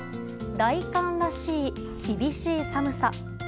大寒らしい、厳しい寒さ。